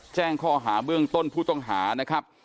แจ้งข้อหาเบื้องต้นผู้ต้องหานะครับ